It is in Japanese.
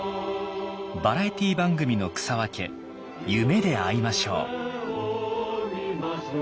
バラエティー番組の草分け「夢であいましょう」。